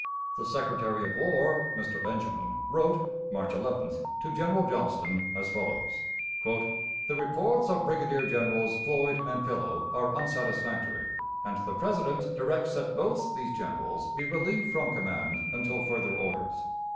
The Secretary of War (Mr. Benjamin) wrote, March 11th, to General Johnston as follows: "The reports of Brigadier Generals Floyd and Pillow are unsatisfactory, and the President directs that both these generals be relieved from command until further orders.